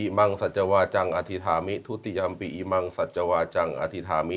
มังสัจวาจังอธิษฐามิทุติยัมปิอิมังสัจวาจังอธิษฐามิ